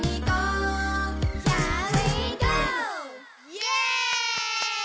イエイ！